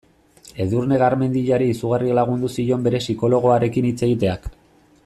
Edurne Garmendiari izugarri lagundu zion bere psikologoarekin hitz egiteak.